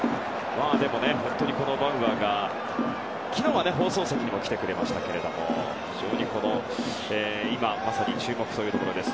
バウアーが昨日は放送席にも来てくれましたけれども今まさに注目というところです。